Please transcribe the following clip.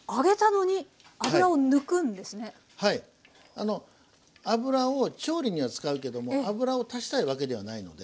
あの油を調理には使うけども油を足したいわけではないので。